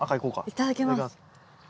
いただきます。